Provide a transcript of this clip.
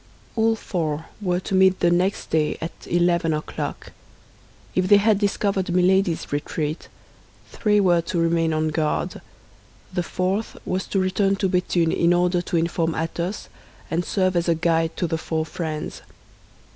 All four were to meet the next day at eleven o'clock. If they had discovered Milady's retreat, three were to remain on guard; the fourth was to return to Béthune in order to inform Athos and serve as a guide to the four friends.